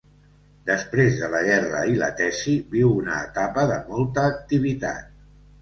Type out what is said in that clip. Després de la guerra i la tesi, viu una etapa de molta activitat.